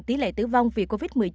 tỷ lệ tử vong vì covid một mươi chín